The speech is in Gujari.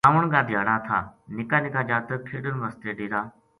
ساون کا دھیاڑا تھا نِکا نِکا جاتک کھیڈن واسطے ڈیرا